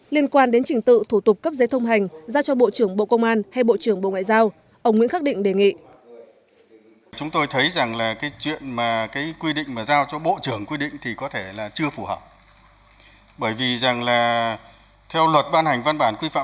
liên quan đến trình tự thủ tục cấp giấy thông hành ra cho bộ trưởng bộ công an hay bộ trưởng bộ ngoại giao ông nguyễn khắc định đề nghị